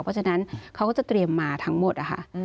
เพราะฉะนั้นเขาก็จะเตรียมมาทั้งหมดนะคะ